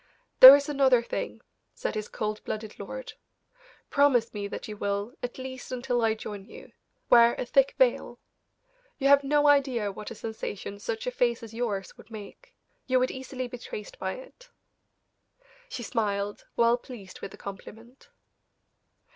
"There is another thing," said this cold blooded lord; "promise me that you will, at least until I join you, wear a thick veil. You have no idea what a sensation such a face as yours would make; you would easily be traced by it." She smiled, well pleased with the compliment.